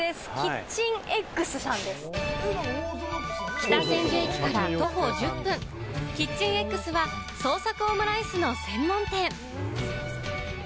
北千住駅から徒歩１０分、ＫｉｔｃｈｅｎＥｇｇｓは創作オムライスの専門店。